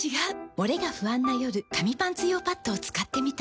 モレが不安な夜紙パンツ用パッドを使ってみた。